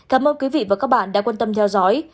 cảm ơn quý vị và các bạn đã quan tâm theo dõi